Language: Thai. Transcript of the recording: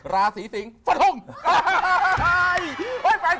ราศรีสิงศ์ฟันตรง